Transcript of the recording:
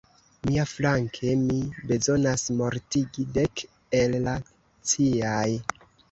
Miaflanke, mi bezonas mortigi dek el la ciaj.